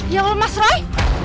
ya allah mas roy